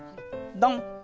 ドン！